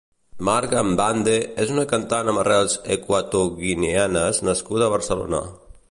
Marga Mbande és una cantant amb arrels ecuatoguineanes nascuda a Barcelona.